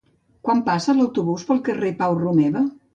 Quan passa l'autobús pel carrer Pau Romeva?